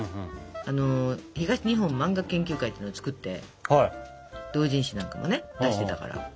あの東日本漫画研究会っていうのを作って同人誌なんかもね出してたから。